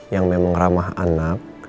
yang memang ramah anak